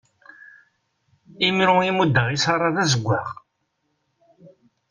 Imru i muddeɣ i Sarah d azeggaɣ.